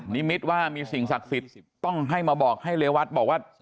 นิมิตว่ามีสิ่งศักดิ์สิทธิ์ต้องให้มาบอกให้เรวัตบอกว่า